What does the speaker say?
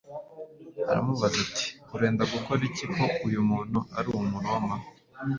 aramubaza ati, ‘Urenda gukora iki, ko uyu muntu ari Umuroma?’